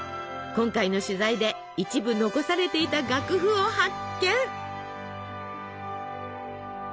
今回の取材で一部残されていた楽譜を発見！